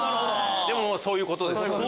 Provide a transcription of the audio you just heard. でもそういうことです。